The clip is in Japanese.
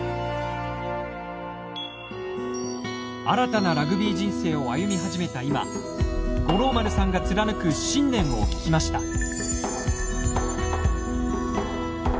新たなラグビー人生を歩み始めた今五郎丸さんが貫く信念を聞きました。